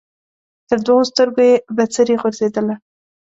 تر دوو سترګو یې بڅري غورځېدله